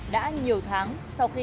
đã nhiều tháng sau phát triển